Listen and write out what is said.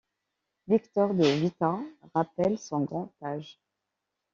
Victor de Vita rappelle son grand âge.